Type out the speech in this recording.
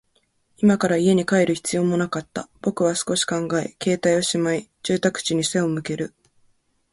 今から家に帰る必要もなかった。僕は少し考え、携帯をしまい、住宅地に背を向ける。